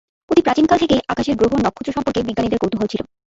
অতি প্রাচীনকাল থেকেই আকাশের গ্রহ-নক্ষত্র সম্পর্কে বিজ্ঞানীদের কৌতূহল ছিল।